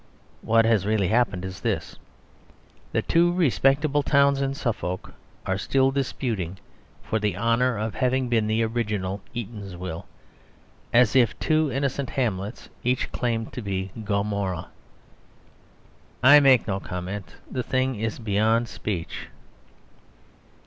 What has really happened is this: that two respectable towns in Suffolk are still disputing for the honour of having been the original Eatanswill; as if two innocent hamlets each claimed to be Gomorrah. I make no comment; the thing is beyond speech.